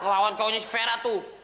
ngelawan kaunya si vera tuh